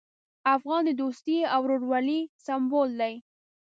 افغان د دوستي او ورورولۍ سمبول دی.